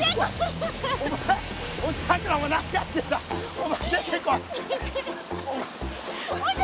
おまえ出てこい。